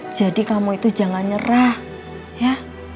jadi kamu itu jangan nyerah ya